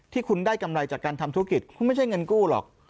ที่คุณได้กำไรจากการทำธุรกิจคุณไม่ใช่เงินกู้หรอก